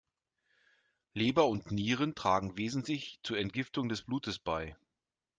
Leber und Nieren tragen wesentlich zur Entgiftung des Blutes bei.